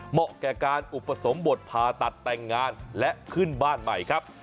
แก่การอุปสมบทผ่าตัดแต่งงานและขึ้นบ้านใหม่ครับ